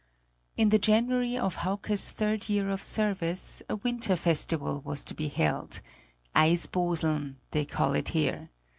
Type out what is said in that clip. In the January of Hauke's third year of service a winter festival was to be held "Eisboseln" they call it here.